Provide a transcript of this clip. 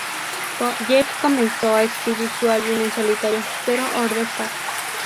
Jeff comenzó a escribir su álbum en solitario "Zero Order Phase".